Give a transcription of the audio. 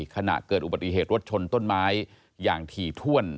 ขณะเกิดอุบัติเหตุรถชนต้นไม้อย่างถี่ถ้วน